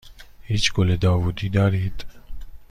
هیچ گل داوودی دارید؟